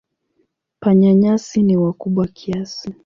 Panya-nyasi ni wakubwa kiasi.